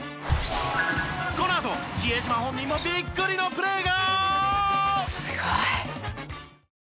このあと比江島本人もビックリのプレーが！